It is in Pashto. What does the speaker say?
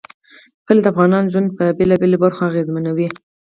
کلي د افغانانو ژوند په بېلابېلو برخو اغېزمنوي.